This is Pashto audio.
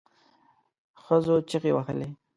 ښځو چیغې وهلې.